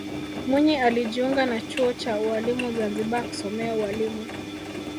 mwinyi alijiunga na chuo cha ualimu zanzibar kusomea ualimu